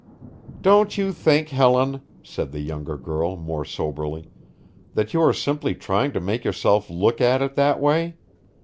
"Don't you think, Helen," said the younger girl, more soberly, "that you are simply trying to make yourself look at it that way?